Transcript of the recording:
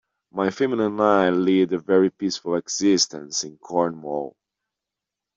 My family and I lead a very peaceful existence in Cornwall.